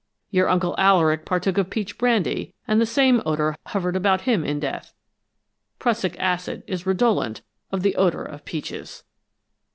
Your Uncle Alaric partook of peach brandy, and the same odor hovered about him in death. Prussic acid is redolent of the odor of peaches!"